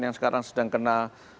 yang sekarang sedang kena